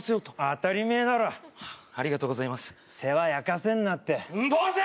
当たり前だろありがとうございます世話焼かせんなってボス！